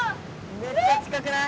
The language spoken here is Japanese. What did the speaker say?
めっちゃ近くない？